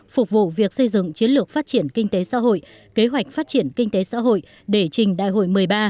phục vụ việc xây dựng chiến lược phát triển kinh tế xã hội kế hoạch phát triển kinh tế xã hội để trình đại hội một mươi ba